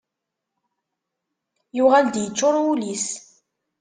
Yuɣal-d yeččur wul-is.